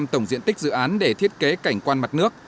tổng diện tích dự án để thiết kế cảnh quan mặt nước